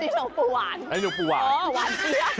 อันนี้หลวงปู่หวาน